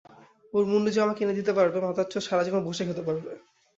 ওর মুণ্ডু যে আমাকে এনে দিতে পারবে মাদারচোদ সারাজীবন বসে খেতে পারবে!